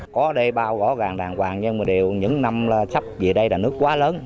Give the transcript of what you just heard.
có đây bao gõ gàng đàng hoàng nhưng mà điều những năm sắp về đây là nước quá lớn